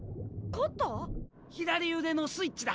左腕のスイッチだ。